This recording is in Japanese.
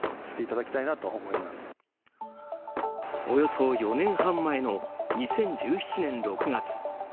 およそ４年半前の２０１７年６月。